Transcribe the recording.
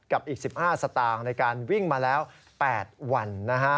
อีก๑๕สตางค์ในการวิ่งมาแล้ว๘วันนะฮะ